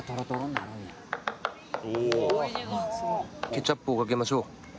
ケチャップをかけましょう。